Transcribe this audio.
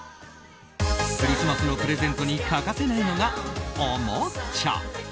クリスマスのプレゼントに欠かせないのが、おもちゃ。